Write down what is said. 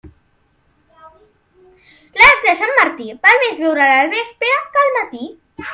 L'arc de Sant Martí, val més veure'l al vespre que al matí.